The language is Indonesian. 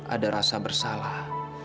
ada rasa bersalah